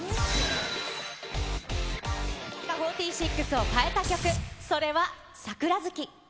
櫻坂４６を変えた曲、それは桜月。